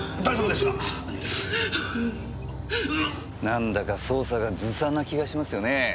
なんだか捜査がずさんな気がしますよね。